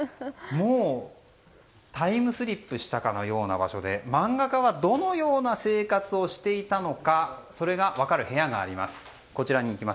タイムスリップしたかのような場所で漫画家がどのような生活をしていたのかそれが分かる部屋があります。